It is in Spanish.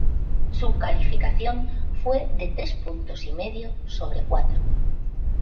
Su calificación fue de tres puntos y medio sobre cuatro.